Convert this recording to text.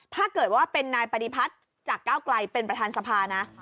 ถ้าเกิดว่าเป็นนายปฏิพัฒน์จากก้าวไกลเป็นประธานสภานะ